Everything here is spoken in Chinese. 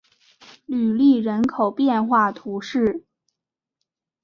吕利人口变化图示